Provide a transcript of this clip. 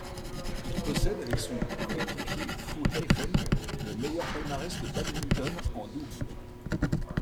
Il possède avec son coéquipier Fu Haifeng le meilleur palmarès de badminton en double.